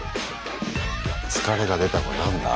疲れが出たか何だ？